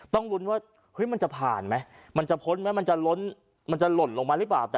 ต้องรุ้นว่าเฮ้ยมันจะผ่านไหมมันจะพ้นไหมมันจะลดลงมาหรือเปล่า